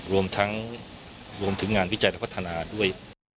รวมถึงงานวิจัยและพัฒนาด้วย